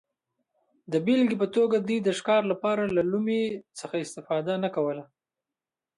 د بېلګې په توګه دوی د ښکار لپاره له لومې څخه استفاده نه کوله